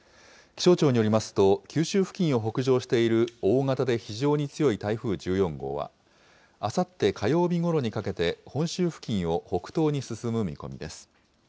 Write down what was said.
気象庁によりますと、九州付近を北上している大型で非常に強い台風１４号は、あさって火曜日ごろにかけて本州付近を北東に進む見込みです。